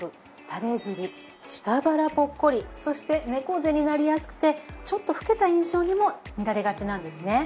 たれ尻下腹ポッコリそして猫背になりやすくてちょっと老けた印象にも見られがちなんですね。